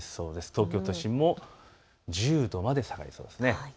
東京都心も１０度まで下がりそうです。